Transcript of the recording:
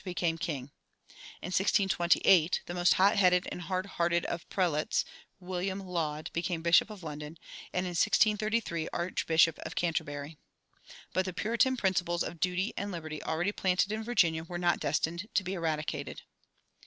became king. In 1628 "the most hot headed and hard hearted of prelates," William Laud, became Bishop of London, and in 1633 Archbishop of Canterbury. But the Puritan principles of duty and liberty already planted in Virginia were not destined to be eradicated.